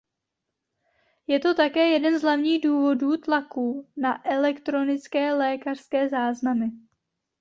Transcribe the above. Je to také jeden z hlavních důvodů tlaku na elektronické lékařské záznamy.